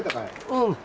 うん。